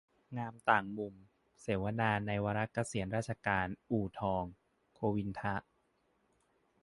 งามต่างมุม : เสวนาในวาระเกษียณราชการ อู่ทอง โฆวินทะ